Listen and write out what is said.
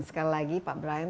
sekali lagi pak brian